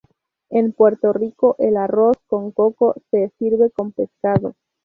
En Puerto Rico el arroz con coco se sirve con pescado.